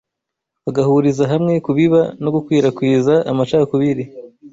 bagahuriza hamwe kubiba no gukwirakwiza amacakubiri.